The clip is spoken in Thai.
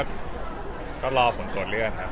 แต่แค่โชคปาร์โตดเลือด